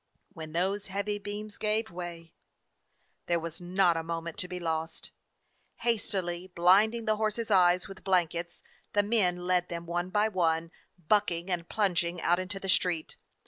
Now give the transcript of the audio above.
When those heavy beams gave way —! There was not a moment to be lost. Hastily blinding the horses' eyes with blan kets, the men led them, one by one, bucking and plunging, out into the street.